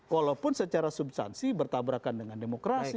walaupun secara substansi bertabrakan dengan demokrasi